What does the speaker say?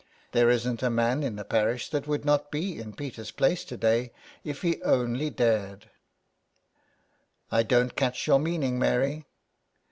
There isn't a man in the parish that would not be in Peter's place to day if he only dared." " I don't catch your meaning, Mary."